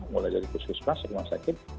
mulai dari puskesmas rumah sakit